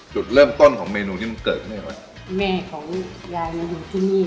จุดเริ่มต้นของเมนูนี้มันเกิดขึ้นอีกไหมแม่ของยายมาอยู่ที่นี่